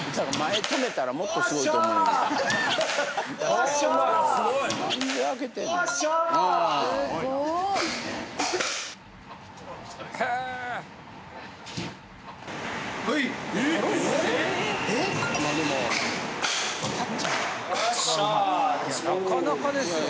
なかなかですよ。